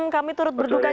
kami turut berduka cita